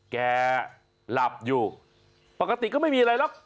แกหลับอยู่ปกติก็ไม่มีอะไรหรอก